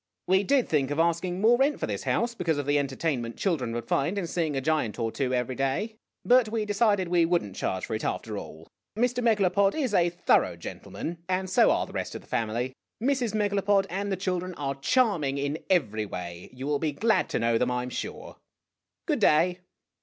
" We did think of asking more rent for this house, because of the entertainment children would find in seeing a giant or two every day. But we decided we would n't charge for it, after all. Mr. Megalopod is a thorough gentleman and so are the rest of the family. Mrs. Megalopod and the chil dren are charming in every way. You will be glad to know them, I 'm sure ! Good clay